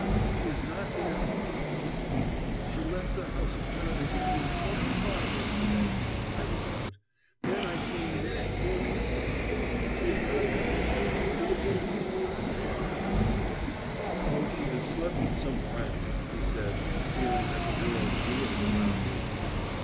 "She has not been at home all night. She left the house apparently between four and five yesterday I was out; then I came in; then you called.... She has not come home it is impossible to conceive...." "Oh, she has slept with some friend," he said, feeling that the world reeled around him.